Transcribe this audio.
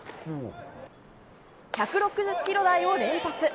１６０キロ台を連発。